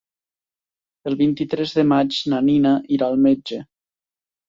El vint-i-tres de maig na Nina irà al metge.